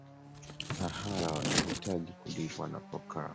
ahara wanahitaji kulipwa wanapokaa